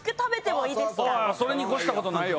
それに越したことないよ。